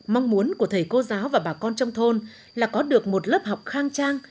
mong muốn của thầy cô giáo và bà con trong thôn là có được một lớp học khang trang